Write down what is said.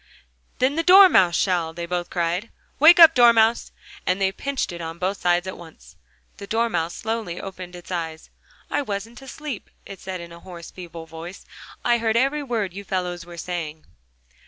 "Then the Dormouse shall!" they both cried. "Wake up, Dormouse!" And they pinched it on both sides at once. The Dormouse slowly opened its eyes. "I wasn't asleep," it said in a hoarse, feeble voice, "I heard every word you fellows were saying."